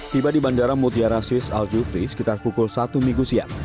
tiba di bandara mutiara sis al jufri sekitar pukul satu minggu siang